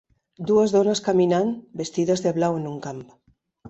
Dues dones caminant vestides de blau en un camp.